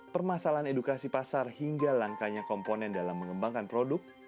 permasalahan edukasi pasar hingga langkanya komponen dalam mengembangkan produk